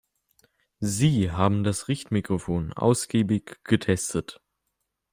Sie haben das Richtmikrofon ausgiebig getestet.